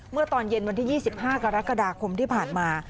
เมื่อตอนเย็นวันที่๒๕กรกฎาคมที่ผ่านมา